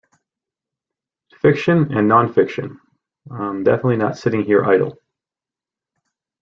Fiction and non-fiction..I'm definitely not sitting here idle.